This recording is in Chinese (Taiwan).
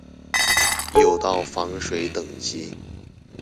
有到防水等級